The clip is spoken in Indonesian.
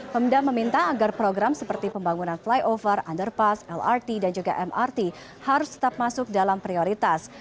pemda meminta agar program seperti pembangunan flyover underpass lrt dan juga mrt harus tetap masuk dalam prioritas